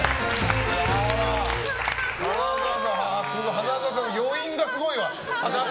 花澤さん、余韻がすごいわ。